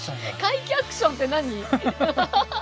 怪奇アクションって何？